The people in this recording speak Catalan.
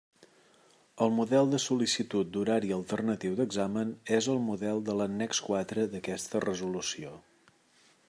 El model de sol·licitud d'horari alternatiu d'examen és el model de l'annex quatre d'aquesta resolució.